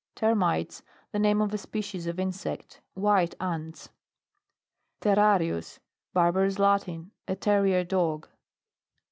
TERMITES. The name of a species of insect. White ants. TERRARIUS. Barbarous Latin. A terrier dog.